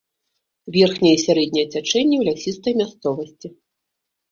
Верхняе і сярэдняе цячэнне ў лясістай мясцовасці.